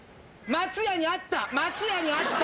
松屋にあった。